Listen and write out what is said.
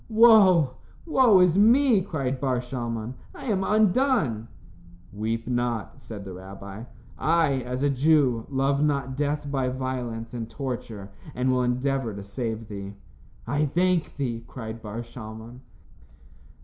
"Woe, woe is me," cried Bar Shalmon, "I am undone." "Weep not," said the rabbi. "I, as a Jew, love not death by violence and torture, and will endeavor to save thee." "I thank thee," cried Bar Shalmon.